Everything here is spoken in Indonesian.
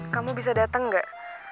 kamu bisa dateng gak